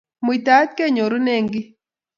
Muitaet kenyerune kiy.